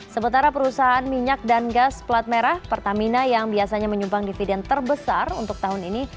sementara perusahaan minyak dan gas pelat merah pertamina yang biasanya menyumbang dividen terbesar untuk tahun ini